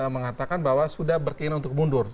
mengatakan bahwa sudah berkeinginan untuk mundur